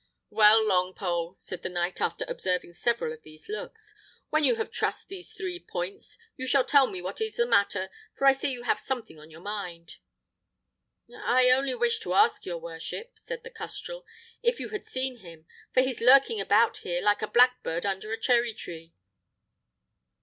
"Well, Longpole," said the knight, after observing several of these looks, "when you have trussed these three points, you shall tell me what is the matter, for I see you have something on your mind." "I only wished to ask your worship," said the custrel, "if you had seen him; for he's lurking about here, like a blackbird under a cherry tree."